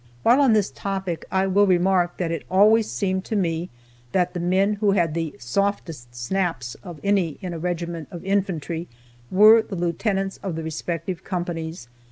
While on this topic I will remark that it always seemed to me that the men who had the "softest snaps" of any in a regiment of infantry were the lieutenants of the respective companies.